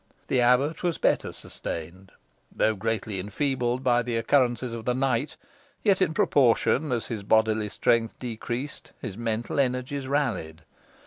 The abbot was better sustained. Though greatly enfeebled by the occurrences of the night, yet in proportion as his bodily strength decreased, his mental energies rallied.